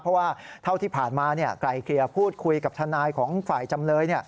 เพราะว่าเท่าที่ผ่านมาไกลเกลี่ยพูดคุยกับทนายของฝ่ายจำเลย